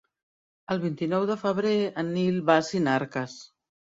El vint-i-nou de febrer en Nil va a Sinarques.